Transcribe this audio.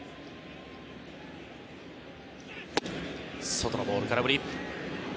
外のボール、空振り。